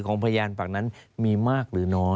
ของพยานภาคนั้นมีมากหรือน้อย